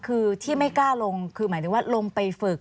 คือที่ไม่กล้าลงคือหมายถึงว่าลงไปฝึก